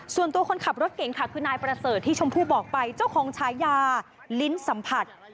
ส่วนตัวคนขับรถเก่งค่ะคือนายประเสริฐที่ชมพู่บอกไปเจ้าของฉายาลิ้นสัมผัส